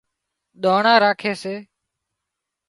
ۮانڻا راکي سي